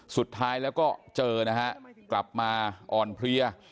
สุดท้ายแล้วก็เจอนะฮะกลับมาอ่อนเพลีย